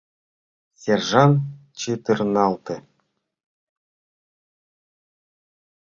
Сержант чытырналте: